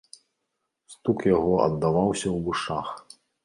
Стук яго аддаваўся ў вушах.